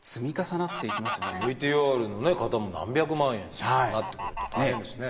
ＶＴＲの方も何百万円ということになってくると大変ですね。